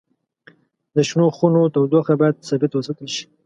د شنو خونو تودوخه باید ثابت وساتل شي.